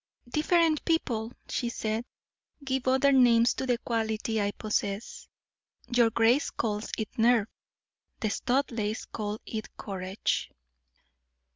"Different people," she said, "give other names to the quality I possess. Your grace calls it nerve the Studleighs call it courage."